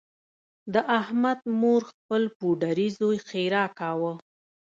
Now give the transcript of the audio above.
د احمد مور خپل پوډري زوی ښیرأ کاوه.